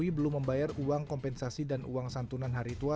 pt pn ii belum membayar uang kompensasi dan uang santunan hari tua